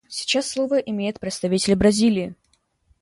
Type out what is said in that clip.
Сейчас слово имеет представитель Бразилии.